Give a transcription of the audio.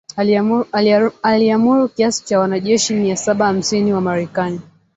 aliamuru kiasi cha wanajeshi mia saba hamsini wa Marekani